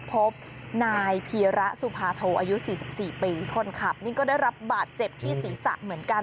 พบนายพีระสุภาโทอายุ๔๔ปีคนขับนี่ก็ได้รับบาดเจ็บที่ศีรษะเหมือนกัน